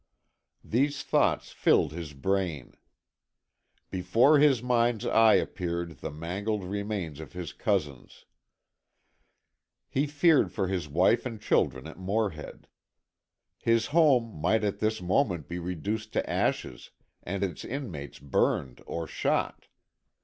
These thoughts filled his brain. Before his mind's eye appeared the mangled remains of his cousins. He feared for his wife and children at Morehead. His home might at this moment be reduced to ashes and its inmates burned or shot.